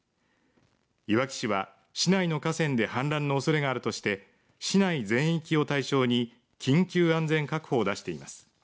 いわき市は市内の河川で氾濫のおそれがあるとして市内全域を対象に緊急安全確保を出しています。